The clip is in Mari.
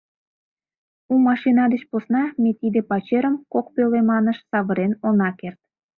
У машина деч посна ме тиде пачерым кок пӧлеманыш савырен она керт.